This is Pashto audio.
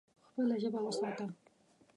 خپله ژبه وساته.